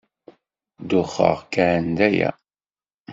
Duxeɣ kan, d aya.